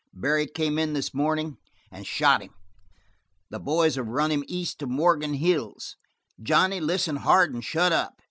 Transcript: "Barry came in this morning and shot him. The boys have run him east to the Morgan Hills. Johnny, listen hard and shut up.